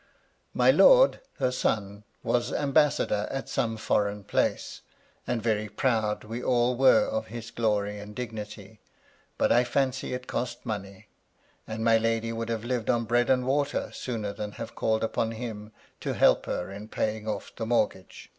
My lord, her son, was ambassador at some foreign place ; and very proud we all were of his glory and dignity ; but I fancy it cost money, and my lady would have lived on bread and water sooner than have called upon him to help her in paying off the mortgage.